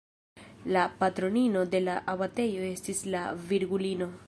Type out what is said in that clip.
La patronino de la abatejo estis la Virgulino.